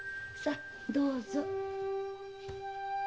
さどうぞ。